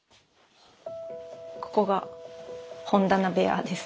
ここが本棚部屋です。